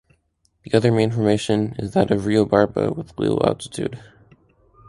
The other main formation is that of Riobarba with a low altitude.